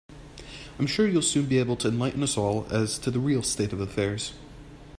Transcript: I'm sure you'll soon be able to enlighten us all as to the real state of affairs.